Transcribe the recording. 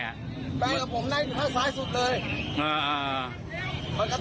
แฟนกับผมได้ทางซ้ายสุดเลย